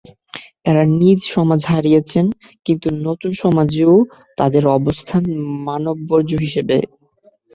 এঁরা নিজ সমাজ হারিয়েছেন, কিন্তু নতুন সমাজেও তাঁদের অবস্থান মানববর্জ্য হিসেবে।